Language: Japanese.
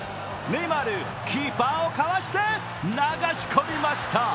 ネイマール、キーパーをかわして流し込みました。